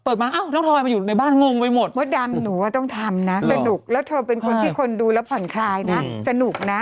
มาอ้าวน้องทอยมาอยู่ในบ้านงงไปหมดมดดำหนูว่าต้องทำนะสนุกแล้วเธอเป็นคนที่คนดูแล้วผ่อนคลายนะสนุกนะ